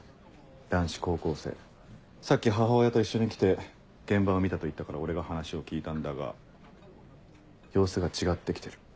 男子高校生さっき母親と一緒に来て現場を見たと言ったから俺が話を聞いたんだが様子が違って来てる。